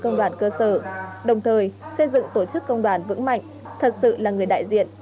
công đoàn cơ sở đồng thời xây dựng tổ chức công đoàn vững mạnh thật sự là người đại diện